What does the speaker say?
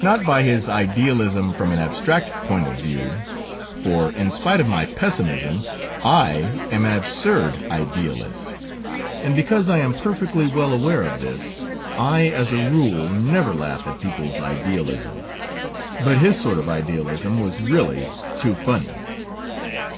Not by his idealism from an abstract point of view, for in spite of my Pessimism I am an absurd Idealist, and because I am perfectly well aware of this, I as a rule never laugh at people's Idealism, but his sort of Idealism was really too funny.